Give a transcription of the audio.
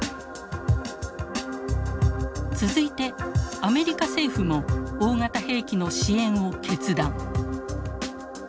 続いてアメリカ政府も大型兵器の支援を決断。